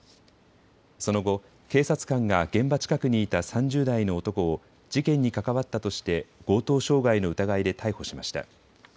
その後、警察官が現場近くにいた３０代の男を事件に関わったとして強盗傷害の疑いで逮捕しました。